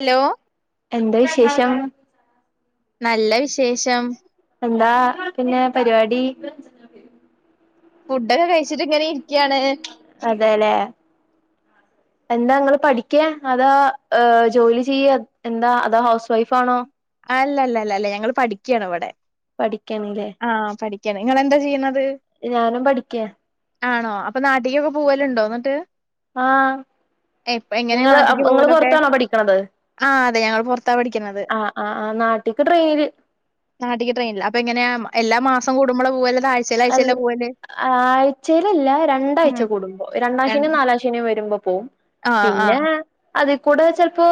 Hello എന്താ വിശേഷം. നല്ല വിശേഷം. എന്താ പിന്നെ പരിവാടി. ഫുഡൊക്കെ കഴിച്ചിട്ട് ഇങ്ങനെ ഇരിക്ക്യാണ്. അതേ ല്ലേ എന്താ ങ്ങള് പഠിക്ക്യാ അതാ ഏഹ് ജോലി ചെയ്യാ എന്താ അതോ ഹൗസ് വൈഫാണോ അല്ലല്ലല്ല അല്ല ഞങ്ങള് പഠിക്ക്യാണ് ഇവിടെ. പഠിക്കാണ്ലേ. ആഹ് പഠിക്കാണ് ങ്ങളെന്താ ചെയ്യ്ണത്. ഞാനും പഠിക്ക ആണോ അപ്പൊ നാട്ടിക്കൊക്കെ പൂവല്ണ്ടോ ന്നട്ട്. ആഹ് എപ്പ എങ്ങനേ ഇങ്ങള് നാട്ടിക്ക് ഇങ്ങള് പോവലൊക്കെ പൊറത്താണോ പഠിക്കണത് ആഹ് അതെ ഞങ്ങൾ പൊർത്താ പടിക്ക്ന്നത്. ആഹ് ആഹ് നാട്ടിക്ക് ട്രെയിന് നാട്ടിക്ക് ട്രെയ്ൻല് അപ്പ എങ്ങന്യാ എല്ലാ മാസം കൂടുമ്പളാ പൂവല് അതാ ആഴ് അൽ ആഴ്ചേലല്ല ഉം രണ്ടാഴ്ച്ച കൂടുംബോ രണ്ടാശനി നാലാം ശ ശനി വരുമ്പോ പോവും ആഹ് പിന്നെ ആഹ് അതികൂടെ ചെൽപ്പോ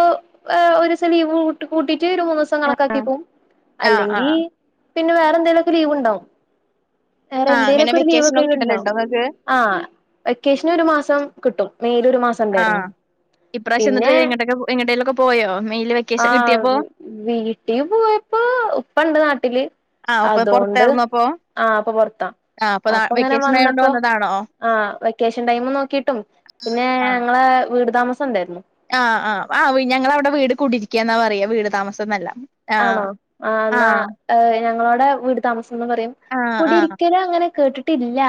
എഹ് ഒര്സം ലീവ് കൂട്ട് കൂട്ടിട്ട് ഒരു മൂന്ന്സ് സം കണക്കാക്കിക്കും ആഹ് അല്ലെങ്കി ആഹ് പിന്നെ വേറെന്തെലൊക്കെ ലീവ് ഇണ്ടാവും. വേറെ ആഹ് അങ്ങനെ എന്തേലൊക്കെ ഒര് വെക്കേഷനൊക്കെ ലീവൊക്കായിറ്റ്ണ്ടാവും കിട്ടലുണ്ടോ നിങ്ങക്ക് ആഹ് വെക്കേഷന് ഒരു മാസം കിട്ടും മെയ്ല് ഒരു മാ ആഹ് ഇപ്രാവശ്യം ന്നട്ട് എങ്ങട്ടേക് എങ്ങട്ടേലക്കെ പോയോ മെയിൽ വെ ആഹ് വീട്ടിപോയപ്പോ ഉപ്പണ്ട് നാട്ടില്. ആഹ് അപ്പൊ അതോണ്ട് പുറത്തായിരുന്നോ അപ്പൊ ആഹ് ഉപ്പ പൊറത്താ ആഹ് അപ്പൊ ഇങ്ങനെ വെക്കേഷൻ ആയോണ്ട് വന്നപ്പോ വന്നതാണോ ആ വെക്കേഷൻ ടൈം നോക്കിട്ടും പിന്നെ ആ ഞങ്ങളെ വീട് താമസം ഇണ്ടായിരുന്നു. ആഹ് ആഹ് ആഹ് ഞങ്ങളെ അവിടെ വീട് കൂടിരിക്ക്യാന്നാ പറയാ വീട് താമസംന്നല്ല. ആഹ് ആണോ ആഹ് ന്നാ ഏഹ് ഞങ്ങളോടെ വീട് താമസംന്ന് പറയും ആഹ് ആഹ് കൂടിരിക്കൽ അങ്ങനെ കേട്ടിട്ടില്ല.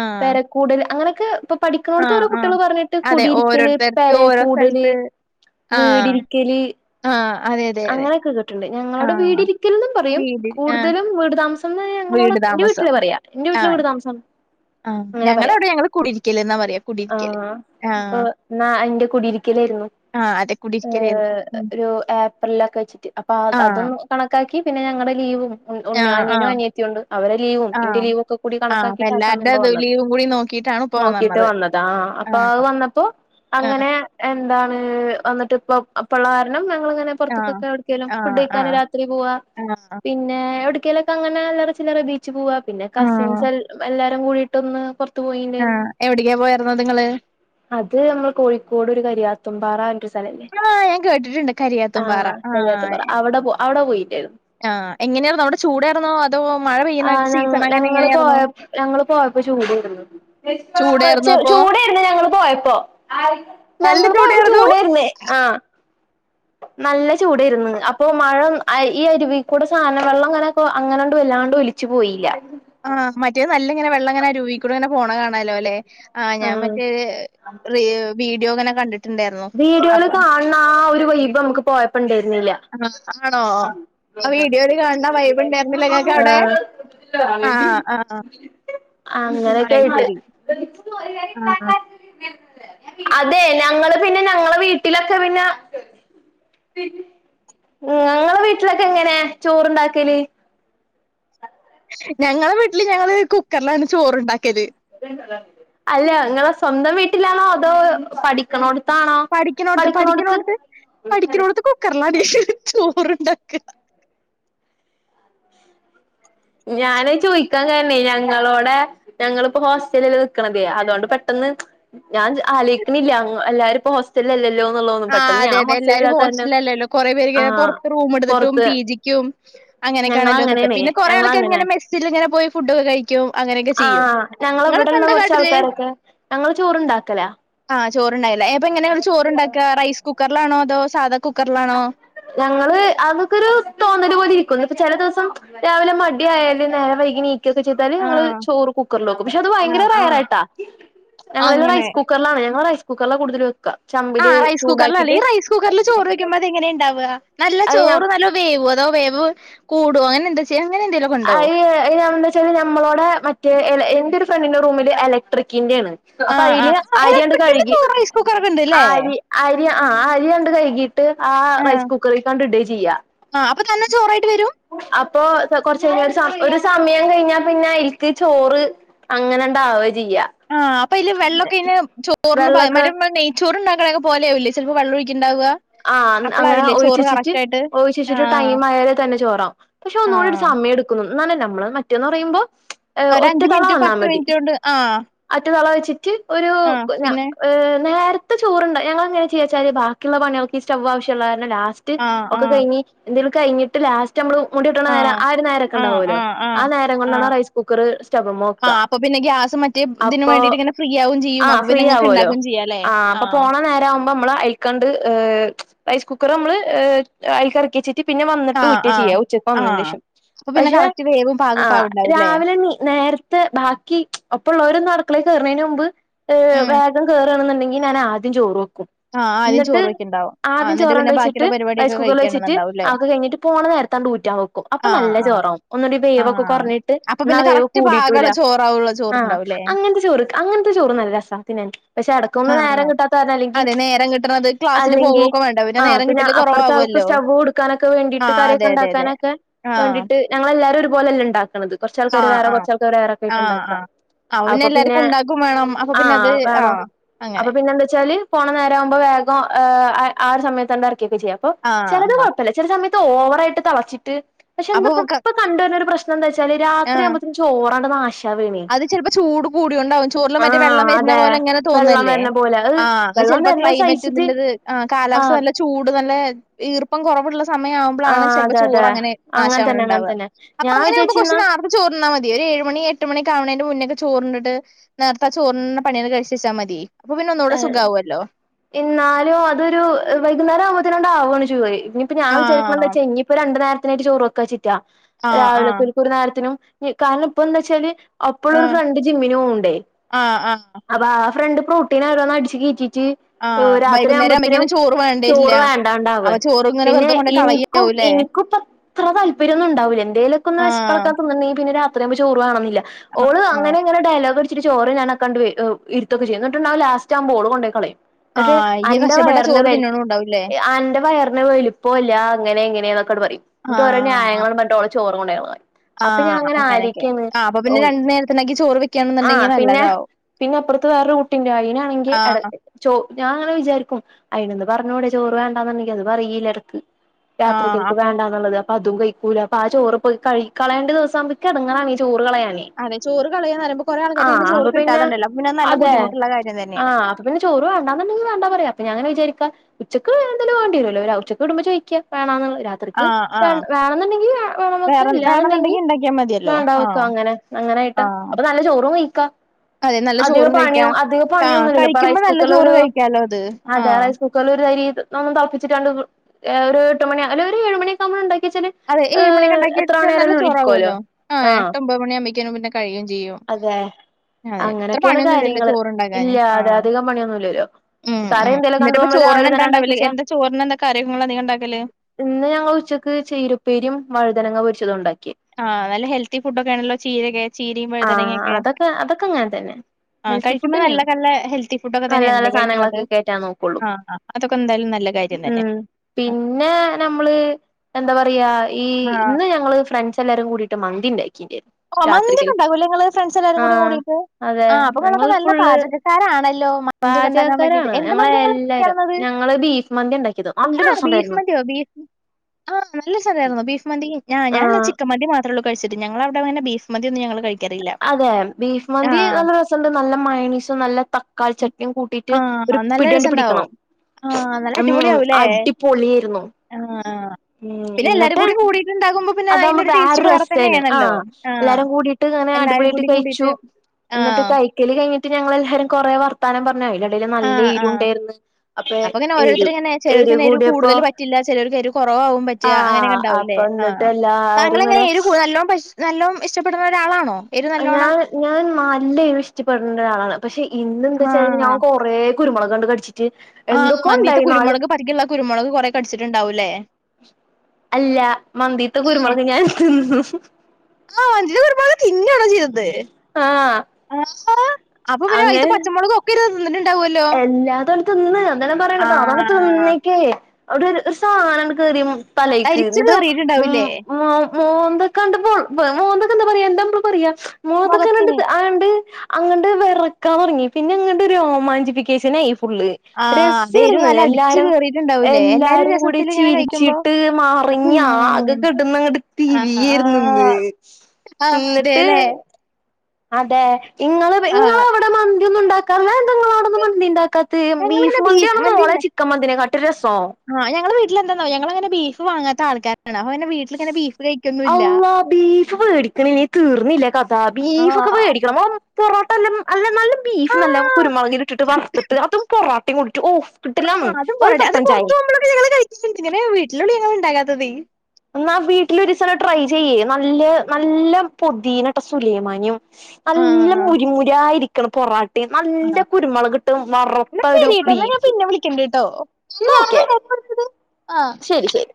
ആഹ് പെരക്കൂടൽ അങ്ങനെക്കെ പ്പം പഠിക്കുന്നോട്ത്ത് ആഹ് ഓരോ ആഹ് കുട്ടികള് പറഞ്ഞിട്ട് അതെ കുടിരിക്കല് ഓരോരുത്തർക്ക് ഓരോ പെരേകൂടല് സ്ഥലത്ത് ആഹ് വീട്ഇരിക്കല് ആഹ് അതെ യതെ. അങ്ങനെയൊക്കെ കേട്ടിണ്ട് ഞങ്ങളടെ വീട് ഇരിക്കലെന്നും പറയും വീട് ആഹ് കൂടുതലും വീട് താമ സംന്ന് ഞങ്ങളോടെ വീട് ഇന്റ് താമസം വീട്ട്ല് പറയാ ഇന്റ് വീട്ട്ല് ആഹ് വീട് താമസം ആഹ് അങ്ങനെ പറയാ ഞങ്ങളവിടെ ഞങ്ങള് കുടിരിക്കല്ന്നാ പറയാ കുടിരിക്കല് ആഹ് ഇപ്പൊ ആഹ് ന്നാ അന്റെ കുടിരിക്കലേരുന്നു. ആഹ് അതെ കുടിരിക്കലേരുന്നു ഏഹ് ഉം ഒരു ആ എപ്പ്രിലൊക്കെ വെച്ചിട്ട് അപ്പൊ അ ആഹ് അതൊന്ന് കണക്കാക്കി പിന്നെ ഞങ്ങളുടെ ലീവും ഉം ആഹ് അനിയനും ആഹ് അനിയത്തിയും ഉണ്ട് അവരെ ലീവും ഇന്റെ ആഹ് ലീവും ഒക്കെ കൂടി ആഹ് അപ്പൊ കണക്കാക്കിട്ട് ആ എല്ലാരുടെ സമയത്ത് ഇത് വന്നത്. ലീവും കൂടി നോക്കിയിട്ടാണ് ഉപ്പ നോക്കിട്ട് വന്നത് വന്നതാ ആഹ് അപ്പൊ അത് വന്നപ്പോ ആഹ് അങ്ങനെ എന്താണ് വന്നിട്ട് ഇപ്പം അപ്പള്ള കാരണം ഞങ്ങളിങ്ങനെ ആഹ് പുറത്തക്കൊക്കെ എവിട്ക്കലും ഫുഡ് ആഹ് കഴിക്കാന് ആഹ് രാത്രി പോവാ, ആഹ് പി പിന്നെ എ എവിടുക്കേലുങ്ങനെ അല്ലറ ചില്ലറ ബീച്ച് പോവാ പിന്നെ ആഹ് കസിൻസ് എ എല്ലാരും കൂടിയിട്ടൊന്ന്. പോയിണ്ടായിരുന്നു ആഹ് എവിടക്കാ പോയര്ന്നത് നിങ്ങള്. അത് നമ്മള് കോഴിക്കോട് ഒരു കരിയാത്തുംമ്പാറ പറഞ്ഞിട്ടൊരു സ്ഥലല്ലേ. ആഹ് ഞാൻ കേട്ടിട്ടുണ്ട് കരിയാത്തും പാറ ആഹ് ആഹ്. കരിയാത്തുംമ്പാറ അവിടെ അവിടെ പോയിട്ടായിരുന്നു. ആഹ് എങ്ങനെയായിന്നു അവിടെ ചൂടായിരുന്നോ അതോ മഴ പെയ്യുന്ന ആഹ് ഞങ്ങ സീസൺ അങ്ങനെ ഞങ്ങള് പോയ എങ്ങനെയായിരുന്നു? ഞങ്ങള് പോയപ്പോ ചൂടായിരുന്നു. ചൂടായിരുന്നു അപ്പൊ? ചൂടായിരുന്നു ഞങ്ങള് പോയപ്പോ നല്ല ഞങ്ങള് പോയപ്പോ ചൂടായിരുന്നു? ചൂടായിരുന്നേ. ആഹ് നല്ല ചൂടായിരുന്നു അപ്പോ മഴ ഈ അരുവിൽ കൂടെ സാധന വെള്ളം അങ്ങനെക്ക അങ്ങനെണ്ടും വല്ലാണ്ട് ഒലി ച്ചു പോയില്ല. ആഹ് മറ്റേ നല്ല ഇങ്ങനെ വെള്ളം ഇങ്ങനെ അരുവി കൂടെ ഇങ്ങനെ പോണത് കാണാലോ അല്ലെ ആഹ് ഞാൻ മറ്റേ റ വീഡിയോ ഇങ്ങനെ കണ്ടി വീഡിയോല് കാണുന്ന ആഹ് ഒരു വൈബ് നമുക്ക് പോയപ്പോ ഇണ്ടായിരുന്നില്ല. ആഹ് ആണോ? ആ വീഡിയോയില് കാണുന്ന വൈബ് ഉണ്ടായിരുന്നില്ലേ ഇങ്ങക്ക് അവിടെ? ആഹ് [unintelligible] ആഹ് അങ്ങനൊക്കെ അയ് ആയിട്ട്. ശരി. ആഹ് അതെ ഞങ്ങള് പിന്നെ ഞങ്ങളെ വീട്ടിലൊക്കെ പിന്നെ ഞങ്ങളെ വീട്ടിലൊക്കെ എങ്ങനെയ ചോറുണ്ടാക്കല്. ഞങ്ങള വീട്ടില് ഞങ്ങള് കുക്കറിലാണ് ചോറുണ്ടാക്കല്. അല്ല നിങ്ങളെ സ്വന്തം വീട്ടിലാണോ അതോ പഠിക്കണോട് പഠിക്കുന്നോടത്ത് പഠിക്കണോടത്ത് പഠിക്കണോടത്ത് കുക്കറിലാടി ചോർ ഇണ്ടാക്കല് ഞാന് അത് ചോയ്ക്കാൻ കാര്ണേ ഞങ്ങളോടെ ഞങ്ങളിപ്പോ ഹോസ്റ്റലിലല്ലേ നിക്ക്ണതേ അതോണ്ട് പെട്ടെന്ന് ഞാൻ ആലേയിക്ക്ണില്ല എല്ലാരും ഇപ്പോ ഹോസ് ആഹ് അതെ അതെ എല്ലാരും കാരണം ഹോസ്റ്റലില്ലല്ലോ കൊറെ പേർ ആ പൊറത്ത് റൂം എടുത്തിട്ടും പുറത്ത് പി ജി ക്കും അങ്ങനക്കാണല്ലോ ന്നക്കാ ഞങ്ങളങ്ങനെയാണേ പിന്നെ കൊറെ ഞങ്ങളങ്ങനെ ആൾക്കാരിങ്ങനെ മെസിൽ ങ്ങനെ പോയി ഫുഡക്കെ കഴി ക്കും അങ്ങനെയൊക്കെ ചെയ്യും. ആഹ് ഞങ്ങളെ നിങ്ങളപ്പൊ ഇവിടെള്ള എന്താ കൊറച്ച് കാട്ടല്? ആൾക്കാരൊക്കെ ഞങ്ങള് ചോറുണ്ടാക്കലാ ആഹ് ചോറുണ്ടായില്ല ഏപ്പ ഇങ്ങനെയാ ചോറ് ണ്ടാക്ക റൈസ് കുക്കറിലാണോ അതോ സാധാ കുക്കറിലാണോ? ഞങ്ങള് അതൊക്കൊരു തോന്നല് പോലെ ഇരിക്കും ഇന്ന് പ്പോ ചെല ദിവസം രാവിലെ മടി ആയാൽ നേരെ വൈകി നീ ക്കൊക്കെ ചെയ്താൽ ആ ഞങ്ങൾ ചോറ് കുക്കറിൽ വെക്കും പക്ഷേ അത് ആ ഭയങ്കര ആ റയർ ആയിട്ടാ ഞങ്ങളേൽ അങ്ങനെ റൈസ് കു കുക്കറിലാണ് ഞങ്ങൾ റൈസ് കുക്കറിലാ കൂടുതൽ വെ ക്ക ച്ചം ആഹ് റൈസ് കുക്കറിലല്ലേ റൈസ് കുക്കറിൽ ചോറ് വെക്കുമ്പോ എങ്ങനെ ഇണ്ടാവ നല്ല അത് ഞ ചോർ നല്ലോം വേവോ അതോ വേവ് കൂടോ അങ്ങനെ എന്താ ചെയ്യ അങ്ങനെ എന്തേലും? അഹ് അഹ് എന്താ വച്ചാല് ഞമ്മളോടെ മറ്റേ എല എന്റെ ഒരു ഫ്രണ്ടിന്റെ റൂമില് എലക്ട്രിക്കിന്റെ ആണ്. അപ്പ ആഹ് ആഹ് അയില് ആഹ് അര്യണ്ട് ഇലക്ട്രിക്കിന്റെ കഴുകി. ചോറ് റൈസ് കുക്കറൊക്കെ ഉണ്ട്ല്ലേ അരി അരി ആഹ് അരി ആണ്ട് കൈകിട്ട് ആഹ് റൈസ് കുക്കറിക്കാണ്ട് ഇടാ ചെയ്യ. ആഹ് അപ്പ തന്നെ ചോറായിട്ട് വരും? അപ്പോ കൊർച്ച് കഴിഞ്ഞ ഒര് ഒര് സമയം കഴിഞ്ഞാ പിന്നെ അയിൽക്ക് ചോറ് അങ്ങനെണ്ടാവ ചെയ്യ. ആഹ് അപ്പ അയില് വെള്ളൊക്കെ അയിന് ചോറിന് പഴമര വെള്ളൊക്കെ നൈ യ്ച്ചോർ ണ്ടാക്കണക്കെ പോലെ ആവുല്ലേ ചെലപ്പോ വെള്ള ഒഴിക്കിണ്ടാവ. ആഹ് അങ്ങനെ ഒഴിച്ച് വെച്ചിട്ട് ഒഴിച്ച് വച്ചിട്ട് ആഹ് ടൈം ആയാലേ തന്നെ ചോറാവും പക്ഷേ ഒന്നുകൂടി ഒരു ആഹ് സമയം എടു ക്കും ന്നാല് നമ്മള് മറ്റേന്ന് പറയുമ്പോ ഒരഞ്ച് മിൻറ്റ് പത്ത് മിൻറ്റോണ്ട് ആഹ്. അറ്റു തള വെച്ചിട്ട് ഒരു ആഹ് ക്ക് ഞ പിന്നെ ഏഹ് നേര ത്തെ ചോറുണ്ട് ഞങ്ങളെങ്ങനെ ചെയ്യാച്ചാല് ബാക്കിയുള്ള പണിൾക്ക് ഈ സ്റ്റവ്വ് ആവശ്യള്ള കാരണം ലാസ്റ്റ് ആഹ് ഒക്കെ ആഹ് കഴിഞ്ഞ് എന്തേലും കഴിഞ്ഞിട്ട് ലാസ് റ്റമ്മള് മുടിട്ട്ണ നേരം ആഹ് ഒര് നേരം ഒക്കെണ്ടാവുല്ലോ ആഹ് നേരം കൊണ്ടാണോ റൈസ് കുക്കർ സ്റ്റവ്മോ ആഹ് അപ്പ പിന്നെ ഗ്യാസ് മറ്റേ ഇതിന് വേണ്ടിയിട്ട് ഇങ്ങനെ ഫ്രീ ആവും ചെയ്യും ആഹ് അപ്പൊ ഫ്രീ പിന്നെ ഇങ്ങക്ക് ആവോലോ ഇണ്ടാക്കും ചെയ്യാലേ അപ്പൊ ആഹ്. പോണ നേരാവുമ്പോ നമ്മള് അയ്ക്കാണ്ട് ഹ് റൈസ് കുക്കർ നമ്മള് ഹ് അയിക്ക് എർക്കിച്ച് പിന്നെ വന്ന്ട്ട് ആഹ് ഊറ്റ ആഹ് ചെയ്യ ഉച്ചക്ക് വന്നേൻ്റെ ആഹ് ശേഷം. അപ്പൊ പിന്നെ പക്ഷെ കറക്റ്റ് വേവും പാകമൊക്കെ ആഹ് ആവുണ്ടാവുംല്ലേ രാവിലെണി നേര ത്തെ ബാക്കി ഒപ്പള്ളോര് ഒന്ന് അടുക്കളെ കേർനേൻ്റെ മുമ്പ് ഏഹ് ഉം വേഗം കേറാണെന്നണ്ടെ ഇനി ഞാനാദ്യം ചോറ് വെക്കും. ആഹ് ആദ്യം എന്നിട്ട് ചോറ് വെക്കണ്ടാവും. ആദ്യം ചോറാണ്ട് വെച്ചിട്ട് റൈസ് കുക്കറിൽ വെച്ചിട്ട് അഹക്കെ കഴിഞ്ഞിട്ട് പോണ നേരത്താണ്ട് ഊറ്റാൻ നോക്കും അപ്പൊ ആഹ് നല്ല ആഹ് ചോറാവും. ഒന്നുകൂടി വേവൊക്കെ ആഹ് കൊറഞ്ഞിട്ട് അപ്പൊ എന്നാ പിന്നെ വേവ് കറക്റ്റ് കൂടീട്ടുല്ല പാകള്ള ചോറാവുള്ള ആഹ് ചോറുണ്ടാവുംല്ലേ അങ്ങൻത്തെ ചോറ് അങ്ങൻത്തെ ചോറ് നല്ല രസാ തിന്നാൻ പക്ഷെ എടക്കൊന്നു ആഹ് നേരം കിട്ട അതെ നേരം കിട്ടണത് ക്ലാസ്സിന് അല്ലെങ്കി പോവുക്കെ വേണ്ടേ പിന്നെ ആഹ് നേരം കിട്ടല് അപ്പറത്തെ ആൾക്ക് കൊറവാകുല്ലോ സ്റ്റവ് കൊടുക്കാനൊക്കെ വേണ്ടിട്ട് ആഹ് അതെ കറിയൊക്കെ അതെ അതെ. ഉണ്ടാക്കാനൊക്കെ ആഹ് വേണ്ടിട്ട് ഞങ്ങളെല്ലാരും ഒരുപോലല്ലാ ഇണ്ടാക്കണത് കൊർച്ച് ആൾക്കാര് ആഹ് വേറെ ആഹ് കൊറച്ചാൾക്കാര് ആഹ് വേറൊക്കെയിട്ട്ണ്ടാക്ക. ആഹ് അപ്പൊ പിന്നെ എല്ലാർക്കും ഉണ്ടാക്കും വേണം അപ്പൊ പിന്നെ അത് ആഹ് വേണോ ആഹ് അങ്ങനെ അപ്പൊ പിന്നെന്താച്ചാല് പോണ നേരാവുമ്പോ വേഗം ഏഹ് ആഹ് ആഹ് ഒര് സമയത്താണ്ട് എർക്കിക്കെ ചെയ്യാം അപ്പൊ ആഹ് ചെലത് ആഹ് കൊഴപ്പല്ല. ചെല സമയത്ത് ഓവറായിട്ട് തളച്ചിട്ട് പക്ഷെ അപ്പൊ എന്താ ഇപ്പം ക ഇപ്പം കണ്ട് വര്ണ ഒരു പ്രശ്ന എന്താച്ചാല് ആഹ് രാത്രിയാകുമ്പോത്തിനും തോറാണ്ട് നാഷ് അത് ചെലപ്പം ചൂട് കൂടിയോണ്ടാവും ചോറില് മറ്റേ ആഹ് വെള്ളം അതെ വരുന്നപോലെ ഇങ്ങനെ വെള്ളം തോന്നല്ലേ? വരുന്ന പോലെ ആഹ് അത് വെള്ളം ചിലപ്പോ വരുന്ന ക്ലൈമറ്റ് സഹിച്ചിട്ട് ഇതിന്റെത് ആ കാലാവസ്ഥ ആഹ് നല്ല ചൂട് നല്ല ഈർപ്പം കുറവുള്ള സമയമാകു ഇപ്പളാണെ ആഹ് ചെലപ്പോ അതെ അതെ ചോറ് അങ്ങനെ അങ്ങനെ തന്നെ അങ്ങനെ നാശാവണുണ്ടാവുക തന്നെ അപ്പോ ഞാൻ അങ്ങനെ ആകുമ്പോ കുറച്ച് വിചാരിച്ചിന്നാ നേര ചോറു തിന്നാ മതി ഒരു ഏഴു മണി എട്ട് എട്ടു മണിക്കാവണതിന്റെ മുന്നേക്കെ ചോറുണ്ടിട്ട് നേരത്താ ചോറുണ്ണുന്ന പണിയൊക്കെ കഴിച്ചേച്ചാൽ മതി അപ്പൊ പിന്നെ ഒന്നൂടെ സുഖാവു അല്ലോ എന്നാലും അതൊരു വൈകുന്നേരം ആകുമ്പോഴത്തേനും [unintelligible] ഇനിയിപ്പം ഞാ വിചാരിക്കണ എന്താ ആഹ് വെച്ചാ ഇഞ്ഞി ഇപ്പൊ രണ്ടു നേരത്തിനായിട്ട് ചോറ് വെക്കാ ചിറ്റാ. ആഹ് ആഹ് രാവിലൊക്കൊരു ഒരു നേരത്തിനും ഇ കാരണം ഇപ്പ എന്താ വെച്ചാല് അപ്പോളൊരു ആഹ് ഫ്രണ്ട് ജിമ്മിന് പോകുന്നുണ്ടേ. ആഹ് ആഹ് അപ്പൊ ആ ഫ്രണ്ട് പ്രോ പിന്നൊരോന്നടിച്ച് കേറ്റിട്ട് ആഹ് രാത്രി വൈകുന്നേരം ആവുമ്പോത്തേനും ആവുമ്പേക്കിനും ചോറ് വേണ്ടിവരില്ല ചോറ് വേണ്ടാണ്ടാവുക അപ്പൊ ചോറ് ഇങ്ങനെ പിന്നെ വെറുതെ കൊണ്ടോയി ഇനി ഇപ്പം കളയാവൂല്ലേ എനിക്കിപ്പം അത്ര താല്പര്യൊന്നും ഉണ്ടാവില്ല എന്തേലുക്കൊന്ന് ആഹ് വിശപ്പടക്കാൻ പിന്നെ രാത്രി രാത്രയല് ചോറ് വേണന്നില്ല. ആഹ് ഓള് ആഹ് അങ്ങനെയിങ്ങനെ ഡയലോഗ് അടിച്ചിട്ട് ചോറ് തിന്നാനക്കൊണ്ട് ഇരുത്തൊക്കെ ചെയ്യു എന്നിട്ട് ലാസ്റ്റ് ആകുമ്പോൾ ഓള് കൊണ്ടു പോയി കളയും എന്നിട്ട് ആഹ് ഇയ്യ് അന്റെ കഷ്ടപ്പെട്ട ചോറ് വയറി തിന്നണുണ്ടാവുല്ലേ ആന്റെ വയറിനു വലുപ്പമില്ല അങ്ങനെ ഇങ്ങനെന്നൊക്കെയിട്ട് പറയും എന്നിട്ട് ഓരോ ന്യായങ്ങളും പറഞ്ഞിട്ട് ഓള് ചോറ് കൊണ്ടു കളയും ആ അപ്പൊ ഞാൻ അങ്ങനെ അങ്ങനൊക്കെ ആലോചിക്കാണ് ആ അപ്പം പിന്നെ രണ്ടു നേരത്തിനൊക്കെ ചോറ് വെ ആ പിന്നെ പിന്നെ അപ്പുറത്ത് വേറൊരു കുട്ടിയുണ്ട് അയിനാണെങ്കിൽ എട ആഹ് ചോ ഞാൻ അങ്ങനെ വിചാരിക്കും അയിനൊന്ന് പറഞ്ഞൂടെ ചോറ് വേണ്ടാന്നുണ്ടെങ്കിൽ അത് പറയയില്ലാരുക്ക് ആഹ് രാത്രിക്കെൽക്ക് അപ്പൊ വേണ്ടാന്നു ഉള്ളത് അപ്പൊ അതും കഴിക്കൂല അപ്പം ആ ചോറ് പോയി കഴി കളയേണ്ട ദിവസം ഇൻക്ക് എടങ്ങറാണെ ചോറ് കളയാണേ അതെ ചോറ് കളയുകാന്ന് പറുമ്പോ കുറെ ആൾക്കാർക്ക് അങ്ങനെ ചോറ് പിന്നെ കിട്ടലുണ്ടാവില്ല പിന്നെ നല്ല ബുദ്ധിമുട്ടുള്ള കാര്യം തന്നെയാണ്. അപ്പം പിന്നെ ചോറ് വേണ്ടാന്നുണ്ടെങ്കിൽ വേണ്ടാ പറയാ അപ്പം ഞാനങ്ങനെ വിചാരിക്ക ഉച്ചക്ക് എന്താലും വേണ്ടി വരുവല്ലോ ഉച്ചയ്ക്ക് വരുമ്പോ ചോദിക്കുക വേണോന്നുള്ളത് രാത് ത്രിക്ക് ആഹ് വേ ആഹ് വേണെന്നുണ്ടെങ്കിൽ വേണംന്ന് വെക്കാ വേറെ വേണെന്നുണ്ടെങ്കി ഇല്ലാന്നുണ്ടെങ്കിൽ ഇണ്ടാക്കിയാ മതിയല്ലോ വേണ്ടാ വെക്കാ ആഹ് അങ്ങനെ അങ്ങനായിട്ട് ആഹ് അപ്പൊ നല്ല ചോറും കഴിക്കാം അതെ നല്ല അധിക ചോറും കഴിക്കാ പണിയും അധിക ആഹ് പണിയൊന്നും ഇല്ലല്ലോ ഇപ്പൊ കഴിക്കുമ്പോ റൈസ് നല്ല ചോറ് കുക്കറിലൊരു കഴിക്കാലോ അത് അതെ ആഹ് റൈസ് കുക്കറില് ഒരു അരി ഒന്നു തളപ്പിച്ചിട്ടുണ്ട് രണ്ട് ഏ ഒരു എട്ടു മണി അല്ലെങ്കിലൊരു ഏഴു മണിയൊക്കായാവുമ്പോ ഉണ്ടാക്കിവെച്ചാല് അതെ ഏഴുമണിക്കുണ്ടാക്കി വെച്ചാൽ നല്ല ചോറാവുമല്ലോ ആ എട്ട് ഒമ്പത് മണിയാമ്മക്കേനും പിന്നെ കഴിയുകയും ചെയ്യും അതെ അതെ അത്ര അങ്ങനൊക്കെയാണ് പണിയൊന്നുമില്ലല്ലോ കാര്യങ്ങള്. ചോറുണ്ടാക്കാന് ഇല്ല അത് ആഹ് അധികം പണിയൊന്നുമില്ലല്ലോ ഉം ഉം എന്നിട്ടിപ്പ ചോറിന് എന്താണ്ടാവല് എന്താ ചോറിന് എന്താ കറി ഇങ്ങള് അധികം ഉണ്ടാക്കല് ഇന്ന് ഞങ്ങൾ ഉച്ചക്ക് ചീര ഉപ്പേരിയും വഴുതനങ്ങ പൊരിച്ചതുംണ്ടാക്കി ആഹ് നല്ല ഹെൽത്തി ഫുഡ് ഒക്കെ ആണല്ലോ ചീരൊക്കെ ആഹ് അതൊക്കെ അതൊക്കെ അങ്ങനെ തന്നെ ആഹ് ഹെൽത്തി കഴിക്കുമ്പോ നല്ല ഫുഡന്നെയാണ് നല്ല ഹെൽത്തി ഫുഡൊക്കെ നല്ല നല്ല സാധനങ്ങളൊക്കെ കേറ്റാൻ നോക്കുള്ളൂ അതൊക്കെന്തായാലും നല്ല കാര്യം തന്നെ ഉം പിന്നെ നമ്മള് എന്താ പറയാ ഈ ആഹ് ഇന്ന് ഞങ്ങള് ഫ്രണ്ട്സെല്ലാരും കൂടിട്ട് മന്തിണ്ടാകിരുന്നു ഓ മന്തിം ഉണ്ടാകും അല്ലേ നിങ്ങള് ഫ്രണ്ട്സ് എല്ലാരും കൂടി കൂടിയിട്ട് അതെ ആഹ് അപ്പം ഞങ്ങൾ ഇങ്ങളൊക്കെ നല്ല ഫുള്ള് പാചകക്കാരാണല്ലോ മന്തി ഒക്കെ ഉണ്ടാക്കാൻ വേണ്ടിട്ട് പാചകക്കാരാണ് എന്ത് ഞങ്ങളെ മന്തി ഇങ്ങള് എല്ലാരും ഇണ്ടാക്കിർന്നത് ഞങ്ങള് ബീഫ് മന്തി ഉണ്ടാക്കിയത് നല്ല ആഹ് ബീഫ് രസണ്ടായിരുന്നു മന്തിയോ ബീഫ് ആഹ് നല്ല രസം ഉണ്ടായിരുന്നു ബീഫ് മന്തി ഞാൻ ഞാനല്ല ആഹ് ചിക്കൻ മന്തി മാത്രള്ളൂ കഴിച്ചിട്ട് ഞങ്ങവിടെ അങ്ങനെ ബീഫ് മന്തി ഒന്ന് ഞങ്ങള് കഴി അതെ ബീഫ് മന്തി നല്ല രസണ്ട് നല്ല മയോണീസും നല്ല തക്കാളി ചട്ടി കൂട്ടിയിട്ട് ഒരു ആഹ് നല്ല പിടി അണ്ട് രസണ്ടാവും പിടിക്കണം ആഹ് നല്ല ഉം അടിപൊളിയാവുല്ലേ അടിപൊളി ആയിരുന്നു ആഹ് ഉം പിന്നെ എല്ലാരും ഇന്നട്ട് കൂടി കൂടിയിട്ടുണ്ടാകുമ്പോ പിന്നെ അതാവുമ്പ അയിനൊരു ടേസ്റ്റ് വേറൊരു വേറെ രസെന് ആ തന്നെയാണല്ലോ ആഹ് എല്ലാരും കൂടിട്ട് ങ്ങനെ അടിപൊളി എല്ലാരും ആയിട്ട് കൂടി കഴിച്ചു കൂടിട്ട് ന്നട്ട് ആഹ് കഴി ഇത് കഴിഞ്ഞിട്ട് ഞങ്ങളെല്ലാരും കൊറെ വർത്താനം പർ ഞ് അയിന്റെ എടേല് നല്ല ആഹ് ആഹ് എരുണ്ടെര്ന്ന് അപ്പ അപ്പൊ ഇങ്ങനെ എരു ഓരോരുത്തര് ഇങ്ങനെ എരു ചിലർക്കിങ്ങനെ എരിവ് കൂടിയപ്പോ കൂടുതൽ പറ്റില്ല ചെലോര്ക്ക് എരു കൊറവാവും പറ്റ ആഹ് അങ്ങനെക്കെണ്ടാവും ല്ലേ അപ്പൊ ആ എന്നിട്ട് എല്ലാരും താങ്കളെങ്ങനെ ഇങ്ങനെ എരു കു നല്ലോം പ നല്ലോം ഇഷ്ടപ്പെടുന്ന ഒരാളാണോ എരു നല്ലോണം ഞാൻ ഞാൻ നല്ല എരു ഇഷ്ടപ്പെട്ന്ന ഒരാളാണ് പക്ഷെ ഇന്ന് എന്താച്ചാല് ഞാ ആഹ് കോ കോറേ കുരുമുളകാണ്ട് കടിച്ചിട്ട് എന്തൊക്കെ ഇണ്ടായി നാല് [unintelligible] കുരുമൊളക് കൊറേ കട്ച്ചിട്ടുണ്ടാവൂ ലെ അല്ല മന്ദീത്തെ കുരുമൊളക് ഞാൻ തിന്നു [unintelligible] ഒരുപാട് തിന്നാണോ ചെയ്തെ ആ ആ അപ്പ പിന്നെ അയ്ത്തെ പച്ചമുളക് ഒക്കെ ഇരുന്ന് തിന്നിട്ടുണ്ടാവോല്ലോ അല്ലാതാണ്ട് തിന്ന് അന്നേരം പറയണത് അതാണ്ട് ആഹ് തിന്നേക്ക് അവ്ടെ ഒര് ഒരു സാന കേറിയ തലേക്ക് അരിച്ചു ന്നട്ട് ഉം കേറിയിട്ടുണ്ടാവൂലേ ഉം മോന്തക്കാണ്ട് പോ മോന്തക്കെന്താ പറയാ എന്ത നമ്മള് പറയാ മോന്തക്കാണ്ട് മുഖത്തിന് ആണ്ട് അങ്ങട്ട് വെറക്കാൻ തൊടങ്ങി പിന്നെ അങ്ങട്ട് രോമാൻറ്റിഫിക്കേഷനായി ഫുള്ള് ആ അത് എരിവ് രസെര്ന്ന് നല്ല അടിച്ചു എല്ലാരും കേറിയിട്ടുണ്ടാവൂലേ എല്ലാരും കൂടി രസത്തിൽ ഇങ്ങനെ ചിരിച്ചി കഴിക്കുമ്പോ ട്ട് മറങ്ങി ആക ഉം. കെട്ന്നങ്ങട്ട് ആ ആ തിരിയായിര്ന്ന് ഇന്ന് ആ അതെ ലെ അതെ ഇങ്ങള ആ ഇങ്ങളവടെ മന്തി ഒന്നും ഇണ്ടാക്കാറില്ല അത് എന്താ ഇങ്ങള അവ്ടോന്ന് മന്തി ഇണ്ടാക്കാ ബീഫ് മന്തി ആണ് മോളെ ചിക്കൻ മന്തിയെ കാട്ടി രസോ ആ ഞങ്ങളെ വീട്ടിലെന്തന്നോ ഞങ്ങള് അങ്ങനെ ബീഫ് വാങ്ങാത്ത ആൾകാ ആണ് അപ്പ പിന്നെ വീ ട്ടീലിങ്ങനെ ബീഫ് കൈ അള്ളാ ബീഫ് വെടിക്ക്‌ണില്ലേ തീർന്നില്ലേ കഥ ആ ബീഫക്കെ വേടിക്കണം പൊറോട്ട എല്ലാം നല്ല നല്ല ബീഫ് ആ നല്ല കുരുമുളകില് ഇട്ടിട്ട് വർത്ത്ട്ട് അതും പൊറോട്ടയും കൂടിട്ട് ഔഫ് ആ അത് [unintelligible] അത് പൊറത്ത് പോവുമ്പളോക്കെ ഞങ്ങള് കഴിക്കും ഇങ്ങനെ വീട്ടിലോള്ളൂ ഞങ്ങള് ഇണ്ടാക്കാത്തത് ന്നാ വീട്ടിലൊരീസം ട്രൈ ചെയ്യ് നല്ല നല്ല പൊതീനട്ട സുലയ്മാനിം ആ നല്ല മുര്മുരാ ഇരിക്ക്ണ പൊറാ ട്ടിം ആ നല്ല കുരുമൊളക് ട്ട് എന്നാ വർത്തൊരു ശരി കേട്ടോ ബീ എന്നാ ഞാൻ പിന്നെ വിളിക്കണ്ട് കേട്ടോ ഞാനല്ലേ കൊടുത്തത് ശരി ശരി